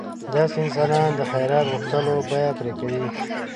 داسې انسان د خیرات غوښتلو بیه پرې کوي.